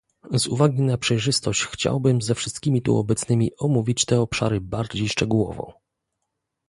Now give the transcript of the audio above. Z uwagi na przejrzystość chciałbym ze wszystkimi tu obecnymi omówić te obszary bardziej szczegółowo